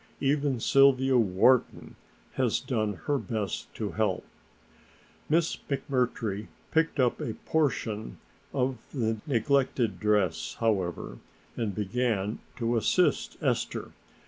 Even Sylvia Wharton has done her best to help." Miss McMurtry picked up a portion of the neglected dress, however, and began to assist Esther.